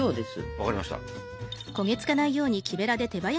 分かりました。